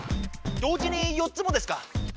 同時に４つもですか？